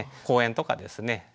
公園とかですね